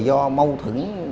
do mâu thuẫn